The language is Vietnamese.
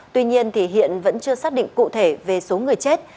tuy nhiên thì hiện vẫn chưa xác định cụ thể về số người chết